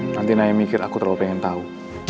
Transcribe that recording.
nanti naya mikir aku terlalu pengen tahu